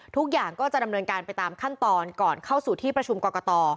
ทุกอย่างก็จะดำเนินการไปตามขั้นตอนก่อนเข้าสู่ที่ประชุมกรกต